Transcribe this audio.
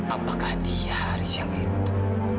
apakah dia haris yang itu